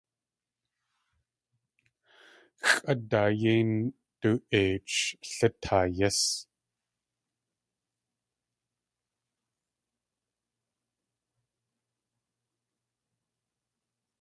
Xʼádaa yéi ndu.eich lítaa yís.